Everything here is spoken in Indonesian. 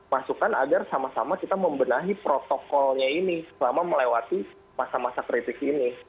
masukan agar sama sama kita membenahi protokolnya ini selama melewati masa masa kritik ini